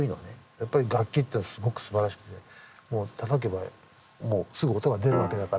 やっぱり楽器っていうのはすごくすばらしくてたたけばもうすぐ音が出るわけだから。